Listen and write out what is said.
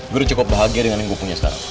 gue cukup bahagia dengan yang gue punya sekarang